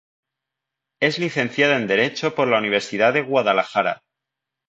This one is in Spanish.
Es licenciada en Derecho por la Universidad de Guadalajara.